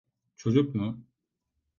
Çocuk mu?